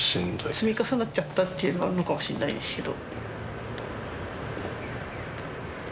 積み重なっちゃったっていうのはあるのかもしれないですけど。